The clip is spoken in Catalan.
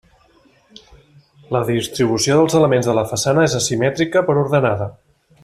La distribució dels elements de la façana és asimètrica, però ordenada.